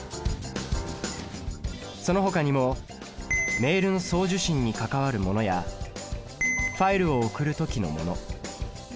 そのほかにもメールの送受信に関わるものやファイルを送る時のもの